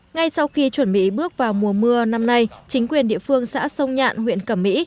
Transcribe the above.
ngay sau khi chuẩn bị bước vào mùa mưa năm nay chính quyền địa phương xã sông nhạn huyện cẩm mỹ